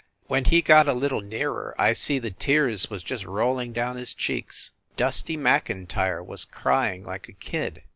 When he got a little nearer I see the tears was just rolling down his cheeks. Dusty Mc Intyre was crying like a kid